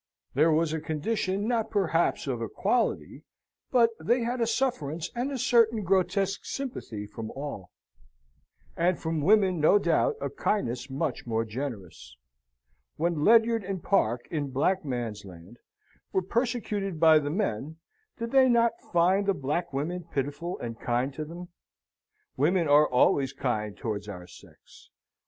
Theirs was a condition not perhaps of equality, but they had a sufferance and a certain grotesque sympathy from all; and from women, no doubt, a kindness much more generous. When Ledyard and Parke, in Blackmansland, were persecuted by the men, did they not find the black women pitiful and kind to them? Women are always kind towards our sex.